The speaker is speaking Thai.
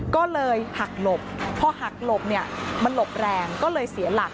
ก็เลยหักหลบพอหักหลบเนี่ยมันหลบแรงก็เลยเสียหลัก